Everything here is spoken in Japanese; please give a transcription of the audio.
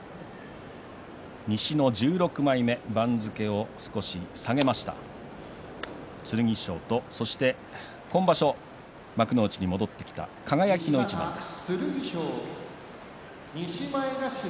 西の１６枚目番付を下げました、剣翔とそして今場所幕内に戻ってきた輝との一番です。